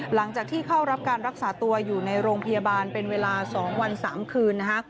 หลังจากที่เข้ารับการรักษาตัวอยู่ในโรงพยาบาลเป็นเวลา๒วัน๓คืนนะคะ